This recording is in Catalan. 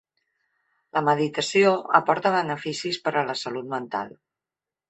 La meditació aporta beneficis per a la salut mental.